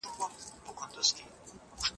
موږ په هغه ټولنه کي ژوند کوو چي ډېري ستونزي لري.